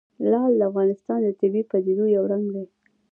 لعل د افغانستان د طبیعي پدیدو یو رنګ دی.